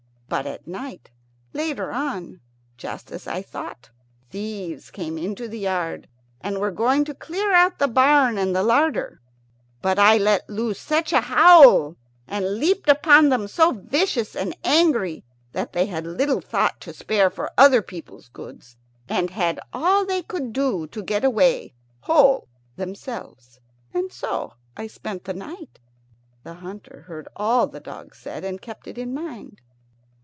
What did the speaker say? But at night, later on just as I thought thieves came into the yard, and were going to clear out the barn and the larder. But I let loose such a howl, and leapt upon them so vicious and angry, that they had little thought to spare for other people's goods, and had all they could do to get away whole themselves. And so I spent the night." The hunter heard all that the dogs said, and kept it in mind.